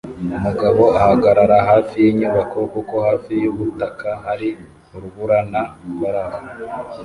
Umugabo ahagarara hafi yinyubako kuko hafi yubutaka hari urubura na barafu